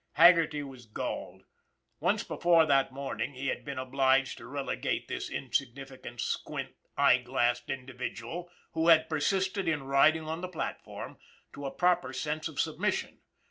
Haggerty was galled. Once before that morning he had been obliged to rele gate this insignificant, squint, eye glassed individual, who had persisted in riding on the platform, to a proper sense of submission.